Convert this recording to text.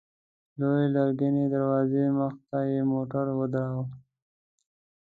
لويې لرګينې دروازې مخته يې موټر ودراوه.